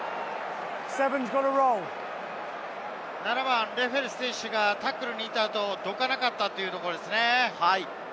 ７番の選手がタックルに行った後、どかなかったということですね。